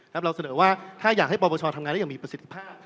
เราเสนอว่าถ้าอยากให้ปปชทำงานได้อย่างมีประสิทธิภาพ